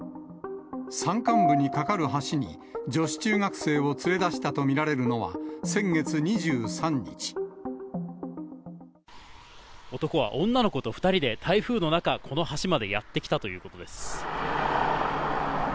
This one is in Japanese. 山間部に架かる橋に女子中学生を連れ出したと見られるのは、男は女の子と２人で台風の中、この橋までやって来たということです。